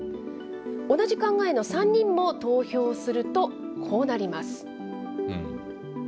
同じ考えの３人も投票するとこうなります。